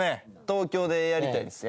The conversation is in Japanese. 東京でやりたいです